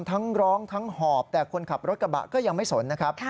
ทั้งร้องทั้งหอบแต่คนขับรถกระบะก็ยังไม่สนนะครับ